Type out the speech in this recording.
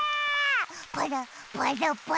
パラパラパラパラ。